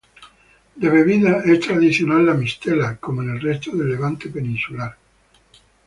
De bebida es tradicional la mistela, como en el resto del Levante peninsular.